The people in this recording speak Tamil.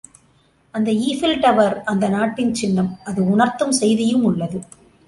அந்த ஈஃபில் டவர் அந்த நாட்டின் சின்னம் அது உ.ணர்த்தும் செய்தியும் உள்ளது.